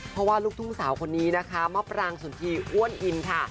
เพราะว่าลูกทุ่งสาวคนนี้นะคะมะปรางสนทีอ้วนอินค่ะ